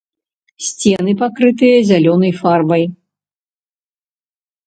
Сцены пакрытыя зялёнай фарбай.